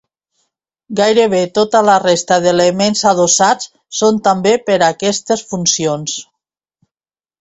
Gairebé tota la resta d'elements adossats són també per a aquestes funcions.